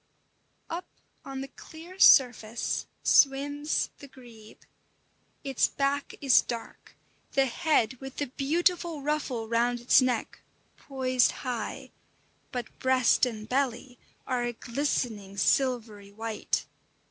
Up on the clear surface swims the grebe. Its back is dark, the head, with the beautiful ruffle round its neck, poised high; but breast and belly are a glistening slivery white.